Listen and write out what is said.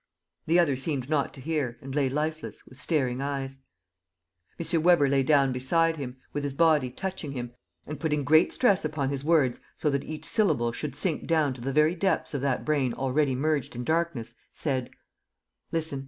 The other seemed not to hear and lay lifeless, with staring eyes. M. Weber lay down beside him, with his body touching him, and, putting great stress upon his words, so that each syllable should sink down to the very depths of that brain already merged in darkness, said: "Listen.